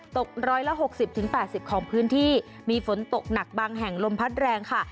ตก๑๖๐๘๐ของพื้นที่มีฝนตกหนักบางแห่งลมพัดแรงค่ะ